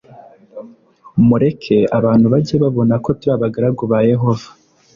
mureke abantu bajye babona ko turi abagaragu ba yehova